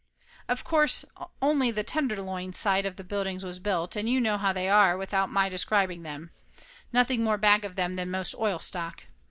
Of course only the tenderloin side of the buildings was built, and you know how they are without my describing them ; nothing more back of them than most oil stock.